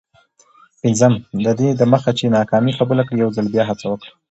پنځم: ددې دمخه چي ناکامي قبوله کړې، یوځل بیا هڅه وکړه.